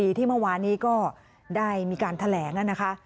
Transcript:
ที่เมื่อวานนี้ก็ได้มีการแถลงนะคะ